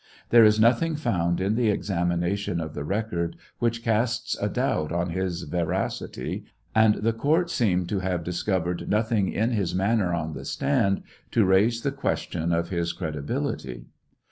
There is nothing found in the examination of the record which casts a doubt on his veracity, and the court seem to have discovered nothing in his manner on the stand to raise the question of his credibility.